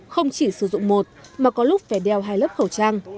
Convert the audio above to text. không chỉ sử dụng một mà có lúc phải đeo hai lớp khẩu trang